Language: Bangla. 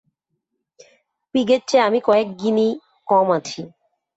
পিগের চেয়ে আমি কয়েক গিনি কম আছি।